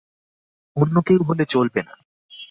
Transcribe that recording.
অন্য কেউ হলে চলবে না।